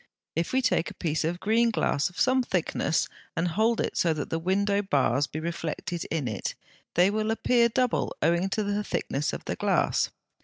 If we take a piece of green glass of some thickness, and hold it so that the window bars be reflected in it, they will appear double owing to the thickness of the glass.